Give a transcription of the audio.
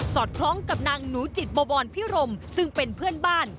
อดคล้องกับนางหนูจิตบวรพิรมซึ่งเป็นเพื่อนบ้าน